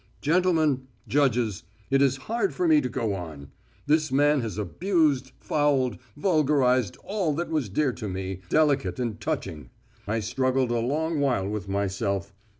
Gentlemen, judges, it is hard for me to go on. This man has abused, fouled, vulgarised all that was dear to me, delicate and touching. I struggled a long while with myself.